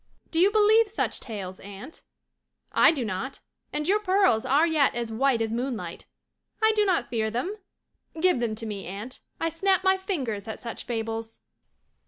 "Do you believe such tales, aunt? I do not. And your pearls are yet as white as moonlight. I do not fear them. Give them to me, aunt. I snap my fingers at such fables."